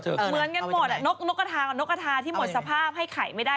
เหมือนกันหมดนกกะทาที่หมดสภาพให้ขายไม่ได้